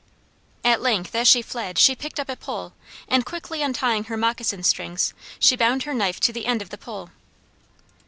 At length, as she fled, she picked up a pole, and quickly untying her moccasin strings, she bound her knife to the end of the pole.